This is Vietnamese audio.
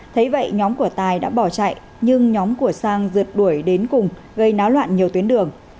thấy vậy nhóm của tài đã bỏ chạy nhưng nhóm của sang rượt đuổi đến cùng gây náo loạn nhiều tuyến đường